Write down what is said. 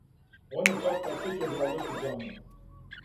Он је чак посетио београдску џамију.